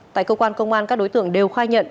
tại cơ quan công an các đối tượng đều khai nhận